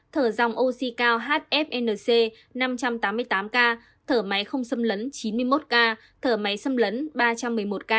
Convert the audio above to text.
thở dòng oxy cao hfnc năm trăm tám mươi tám ca thở máy không xâm lấn chín mươi một ca thở máy xâm lấn ba trăm một mươi một ca